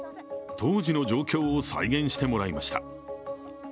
当時の状況を再現してもらいました。